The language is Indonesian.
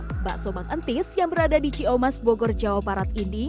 mbak sobang entis yang berada di cio mas bogor jawa parat ini